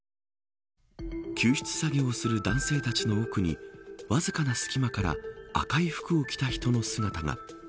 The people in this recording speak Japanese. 救出作業する男性たちの奥にわずかな隙間から赤い服を着た人の姿が。